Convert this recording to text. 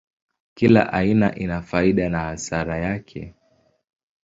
Kila aina ina faida na hasara yake.